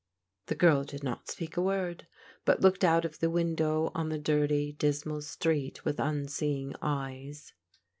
The girl did not speak a word, but looked out of the window on the dirty, dismal street with tmseeing eyes.